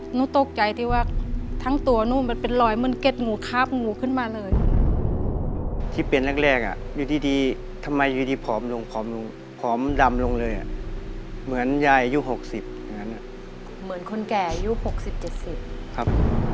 หนูตกใจที่ว่าทั้งตัวหนูมันเป็นรอยเหมือนเก็บ